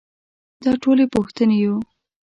دا ټولې پوښتنې يو.